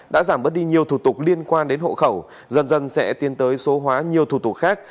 dần dần sẽ tiến tới số hóa nhiều thủ tục khác